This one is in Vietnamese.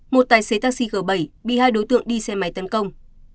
một tài xế taxi g bảy bị hai đối tượng đi xe máy tấn công